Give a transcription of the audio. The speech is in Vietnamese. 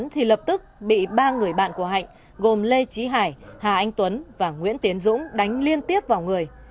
thì lập tức bị ba người bạn của hạnh gồm lê trí hải hà anh tuấn và nguyễn tiến dũng đánh liên tiếp vào người